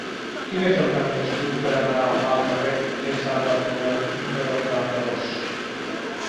Quin és el camí més curt per anar al carrer de Sant Bartomeu número quaranta-dos?